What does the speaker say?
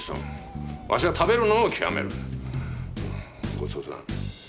ごちそうさん。